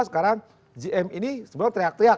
sekarang gm ini sebenarnya teriak teriak